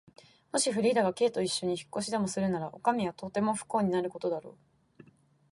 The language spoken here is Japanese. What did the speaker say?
もしフリーダが Ｋ といっしょに引っ越しでもするなら、おかみはとても不幸になることだろう。